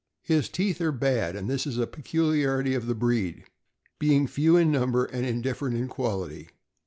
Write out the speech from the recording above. His teeth are bad, and this is a peculiarity of the breed, being few in number and indifferent in quality.